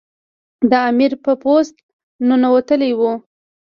د امیر په پوست ننوتلی وو.